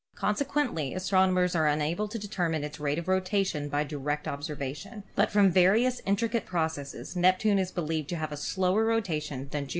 Consequently astronomers are unable to determine its rate of rotation by direct observation; but from various in tricate processes Neptune is believed to have a slower rotation than Jupiter or Saturn.